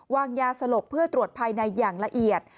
วางยาสลบเพื่อตรวจภายในอย่างละเอียด